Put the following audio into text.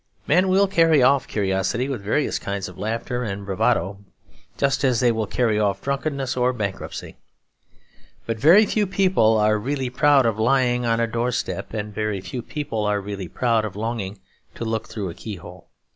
Men will carry off curiosity with various kinds of laughter and bravado, just as they will carry off drunkenness or bankruptcy. But very few people are really proud of lying on a door step, and very few people are really proud of longing to look through a key hole.